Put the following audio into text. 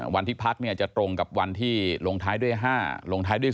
วันที่พักเนี่ยจะตรงกับวันที่ลงท้ายด้วย๕ลงท้ายด้วย๒